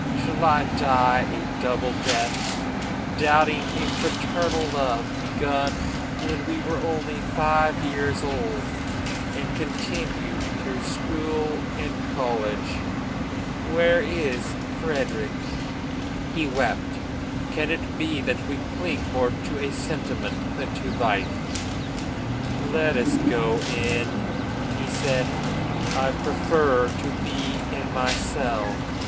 Shall I die a double death, doubting a fraternal love begun when we were only five years old, and continued through school and college? Where is Frederic?" He wept. Can it be that we cling more to a sentiment than to life? "Let us go in," he said; "I prefer to be in my cell.